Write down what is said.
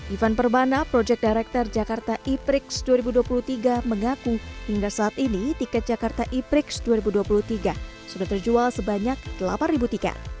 ivan perbana project director jakarta e prix dua ribu dua puluh tiga mengaku hingga saat ini tiket jakarta e prix dua ribu dua puluh tiga sudah terjual sebanyak delapan tiket